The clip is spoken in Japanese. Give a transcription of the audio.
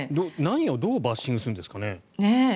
何をどうバッシングするんですかね。